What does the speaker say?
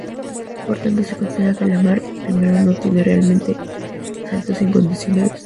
Por tanto, se considera que la Mark I no tiene realmente saltos incondicionales.